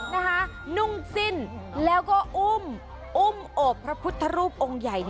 นุ่งสิ้นแล้วก็อุ้มอุ้มโอบพระพุทธรูปองค์ใหญ่